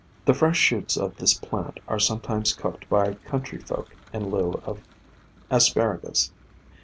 The fresh shoots of this plant are sometimes cooked by coun try folk in lieu of Asparagus.